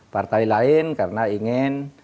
partai lain karena ingin